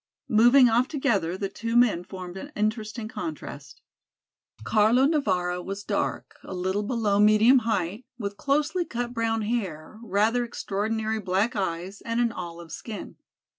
Moving off together the two men formed an interesting contrast. Carlo Navara was dark, a little below medium height, with closely cut brown hair, rather extraordinary black eyes and an olive skin.